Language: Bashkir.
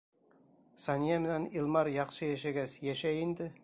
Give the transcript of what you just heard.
Сания менән Илмар яҡшы йәшәгәс, йәшәй инде.